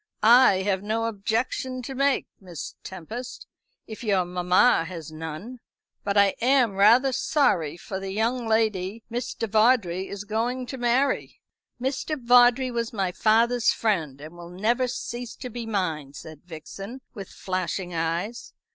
"I have no objection to make, Miss Tempest, if your mamma has none. But I am rather sorry for the young lady Mr. Vawdrey is going to marry." "Mr. Vawdrey was my father's friend, and will never cease to be mine," said Vixen, with flashing eyes.